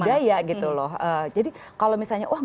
sekarang ini menduragankan ini